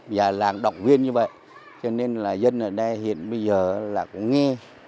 và làng động viên như vậy cho nên là dân ở đây hiện bây giờ là cũng nghe